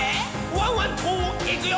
ワンワンといくよ」